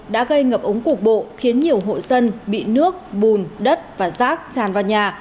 đã gây ngập ống cục bộ khiến nhiều hộ dân bị nước bùn đất và rác tràn vào nhà